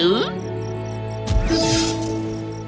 kau simpanlah ini